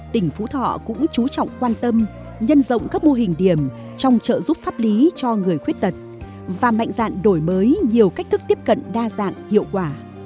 tỉnh phú thọ cũng chú trọng quan tâm nhân rộng các mô hình điểm trong trợ giúp pháp lý cho người khuyết tật và mạnh dạn đổi mới nhiều cách thức tiếp cận đa dạng hiệu quả